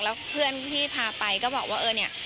แล้วเพื่อนที่พาไปก็บอกว่าเออเนี่ย